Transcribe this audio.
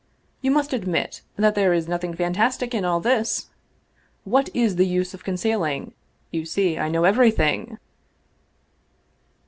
You must admit that there is nothing fantastic in all this ! What is the use of concealing? You see I know every thing!